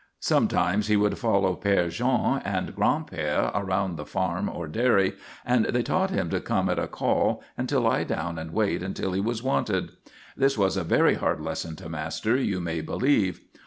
Sometimes he would follow Père Jean and Gran'père about the farm or dairy, and they taught him to come at a call and to lie down and wait until he was wanted. This was a very hard lesson to master, you may believe.